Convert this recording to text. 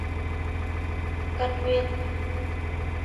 căn nguyên